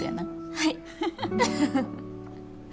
はい。